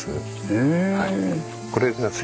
へえ。